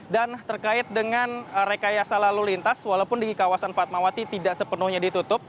dan terkait dengan rekayasa lalu lintas walaupun di kawasan fatmawati tidak sepenuhnya ditutup